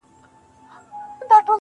زړه یوسې او پټ یې په دسمال کي کړې بدل